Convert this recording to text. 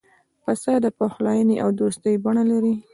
پسه د پخلاینې او دوستی بڼه لري.